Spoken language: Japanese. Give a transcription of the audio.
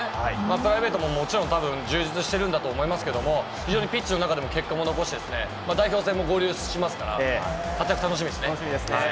プライベートももちろん充実してるんだと思いますけれども、非常にピッチの中でも結果も残していて、代表戦も合流しますから、楽しみですね。